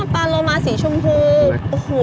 ปลารโรม่าสีชมพู